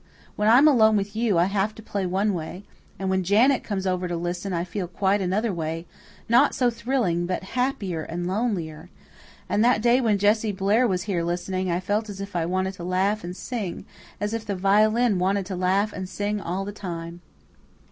When I'm alone with you I have to play one way; and when Janet comes over here to listen I feel quite another way not so thrilling, but happier and lonelier. And that day when Jessie Blair was here listening I felt as if I wanted to laugh and sing as if the violin wanted to laugh and sing all the time."